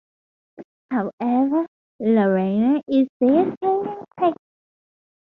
However, Lorena is their saving grace.